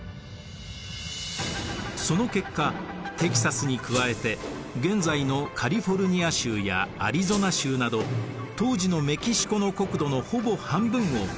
その結果テキサスに加えて現在のカリフォルニア州やアリゾナ州など当時のメキシコの国土のほぼ半分をアメリカに割譲することになりました。